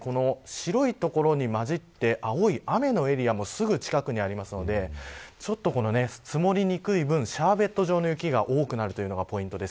ポイントは白い所に交じって青い雨のエリアもすぐ近くにあるので積もりにくい分シャーベット状の雪が多くなるのがポイントです。